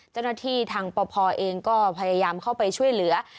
เจ้าหน้าที่ทางปพเองก็พยายามเข้าไปช่วยเหลือ